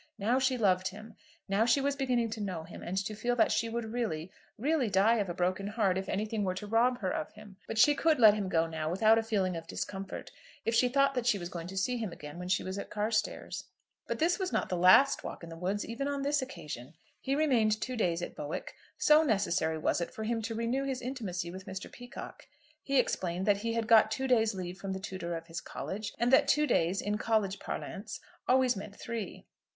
Now she loved him. Now she was beginning to know him, and to feel that she would really, really die of a broken heart if anything were to rob her of him. But she could let him go now, without a feeling of discomfort, if she thought that she was to see him again when she was at Carstairs. But this was not the last walk in the woods, even on this occasion. He remained two days at Bowick, so necessary was it for him to renew his intimacy with Mr. Peacocke. He explained that he had got two days' leave from the tutor of his College, and that two days, in College parlance, always meant three.